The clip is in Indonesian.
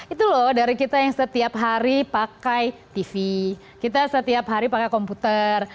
itu loh dari kita yang setiap hari pakai tv kita setiap hari pakai komputer